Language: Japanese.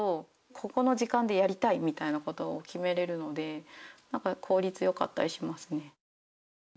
「ここの時間でやりたい」みたいなことを決めれるので何か効率良かったりしますね。